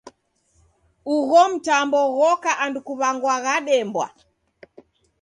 Ugho mtambo ghoka andu kuw'angwagha Dembwa.